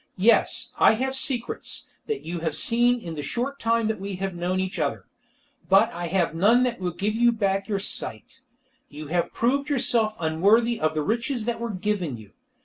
Yes, I have secrets; that you have seen in the short time that we have known each other. But I have none that will give you back your sight. You have proved yourself unworthy of the riches that were given you.